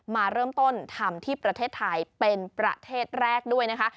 มาเริ่มต้นทำที่ประเทศไทยเป็นประเทศแรกด้วยนะคะ